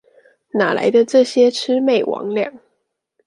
哪來的這些魑魅魍魎？